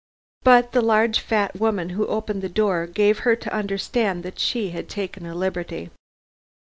But the large fat woman who opened the door gave her to understand that she had taken a liberty.